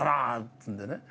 つうんでね。